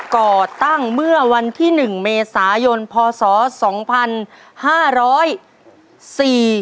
ก่อตั้งเมื่อวันที่หนึ่งเมษายนพศสองพันห้าร้อยสี่